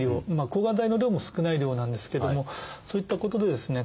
抗がん剤の量も少ない量なんですけどもそういったことでですね